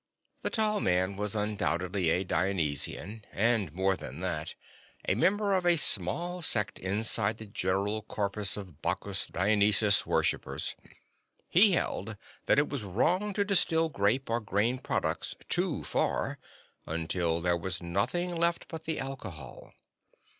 The tall man was undoubtedly a Dionysian; and, more than that, a member of a small sect inside the general corpus of Bacchus/Dionysus worshippers. He held that it was wrong to distill grape or grain products "too far," until there was nothing left but the alcohol.